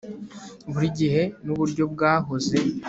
buri gihe nuburyo bwahoze